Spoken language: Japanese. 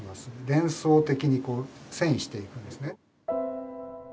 連想的に遷移していくんですね。